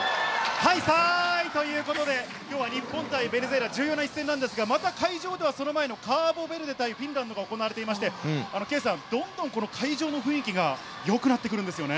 はいさーいということで、きょうは日本対ベネズエラ、重要な一戦なんですが、また会場ではその前の対フィンランドが行われていまして、圭さん、どんどん、この会場の雰囲気がよくなってくるんですよね。